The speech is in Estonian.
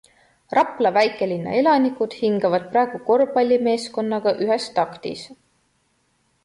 Rapla väikelinna elanikud hingavad praegu korvpallimeeskonnaga ühes taktis.